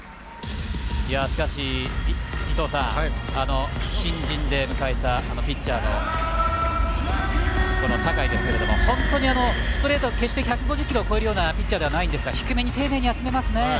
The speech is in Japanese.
しかし、新人で迎えたピッチャーの酒居ですけれども本当にストレート決して１５０キロを超えるピッチャーではないんですが低めに丁寧に集めますよね。